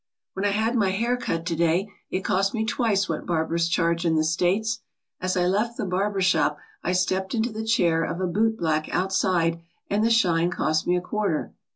When I had my hair cut to day it cost me twice what barbers charge in the States. As I left the barber shop I stepped into the chair of a bootblack outside and the shine cost me a quarter.